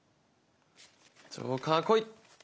ジョーカー来い！